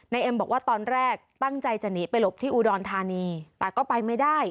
เอ็มบอกว่าตอนแรกตั้งใจจะหนีไปหลบที่อุดรธานีแต่ก็ไปไม่ได้